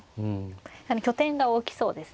拠点が大きそうですね